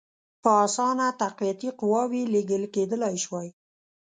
په اسانه تقویتي قواوي لېږل کېدلای سوای.